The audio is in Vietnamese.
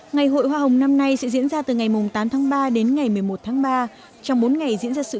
ngày hội hoa hồng năm nay sẽ diễn ra từ ngày tám tháng ba đến ngày một mươi một tháng ba trong bốn ngày diễn ra sự